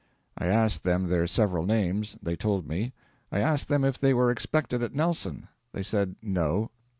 I asked them their several names; they told me. I asked them if they were expected at Nelson. They said, 'No.'